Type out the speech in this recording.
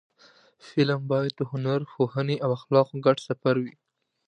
فلم باید د هنر، پوهنې او اخلاقو ګډ سفر وي